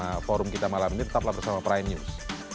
nah forum kita malam ini tetaplah bersama prime news